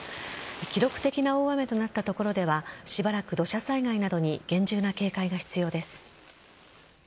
記録的な大雨となった所ではしばらく土砂災害などに厳重な警戒が必要です。